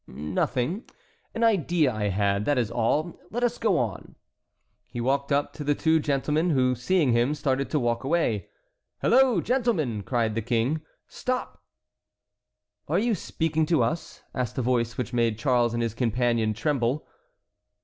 "Nothing. An idea I had, that is all; let us go on." He walked up to the two men, who, seeing him, started to walk away. "Hello, gentlemen!" cried the King; "stop!" "Are you speaking to us?" asked a voice which made Charles and his companion tremble.